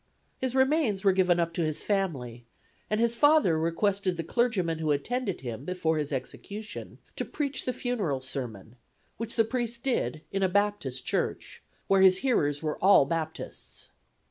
His remains were given up to his family, and his father requested the clergyman who attended him before his execution to preach the funeral sermon, which the priest did in a Baptist church, where his hearers were all Baptists.